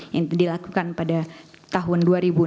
yang dilakukan pada tahun dua ribu enam belas